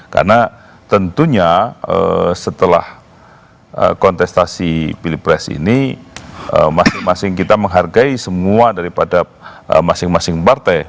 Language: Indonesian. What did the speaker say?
karena tentunya setelah kontestasi pilipres ini masing masing kita menghargai semua daripada masing masing partai